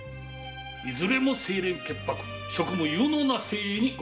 いずれも清廉潔白職務有能な精鋭にございます。